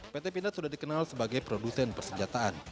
pt pindad sudah dikenal sebagai produsen persenjataan